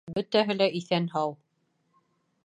Бөтәһе лә иҫән-һау.